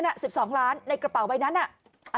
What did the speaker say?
๑๒ล้านในกระเป๋าใบนั้นน่ะ